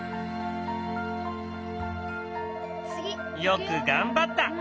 よく頑張った！